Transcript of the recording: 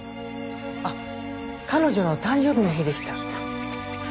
あっ彼女の誕生日の日でした。